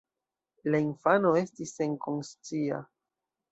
La infano estis senkonscia.